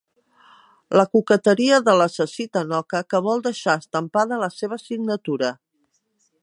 La coqueteria de l'assassí tanoca que vol deixar estampada la seva signatura.